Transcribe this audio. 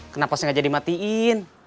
kenapa sengaja dimatiin